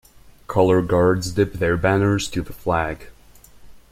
Color guards dip their banners to the flag.